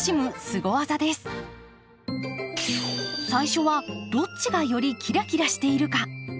最初はどっちがよりキラキラしているか。